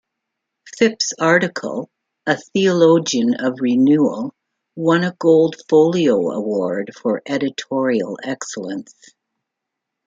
Phipps' article, "A Theologian of Renewal", won a Gold Folio award for editorial excellence.